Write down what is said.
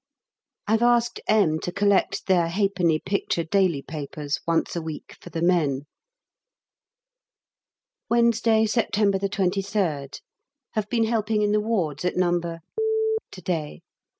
I've asked M. to collect their 1/2d. picture daily papers once a week for the men. Wednesday, September 23rd. Have been helping in the wards at No. to day.